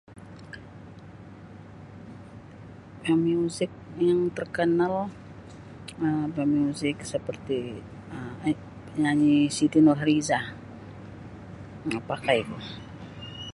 Pamuzik yang terkenal um pamuzik seperti um penyanyi Siti Nurhaliza mapakaiku.